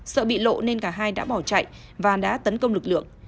sợ bị lộ nên cả hai đã bỏ chạy và đã tấn công lực lượng